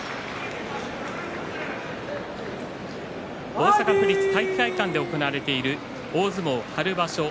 大阪府立体育会館で行われている大相撲春場所。